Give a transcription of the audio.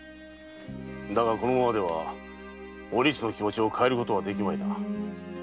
だがこのままではお律の気持を変えることはできまいな。